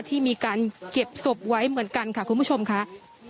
ที่มีการเก็บศพไว้เหมือนกันค่ะคุณผู้ชมค่ะ